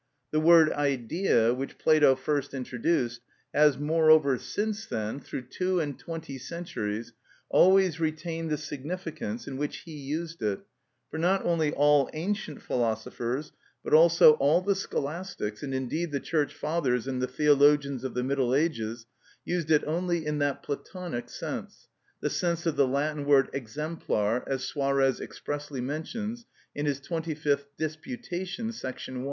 The word "Idea," which Plato first introduced, has, moreover, since then, through two and twenty centuries, always retained the significance in which he used it; for not only all ancient philosophers, but also all the Scholastics, and indeed the Church Fathers and the theologians of the Middle Ages, used it only in that Platonic sense, the sense of the Latin word exemplar, as Suarez expressly mentions in his twenty fifth Disputation, sect. 1.